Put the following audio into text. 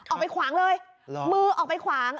ขวางเลยมือออกไปขวาง